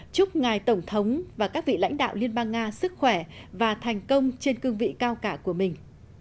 chúc ngài tổng thống và các vị lãnh đạo liên bang nga sức khỏe và thành công trên cương vị cao cả của mình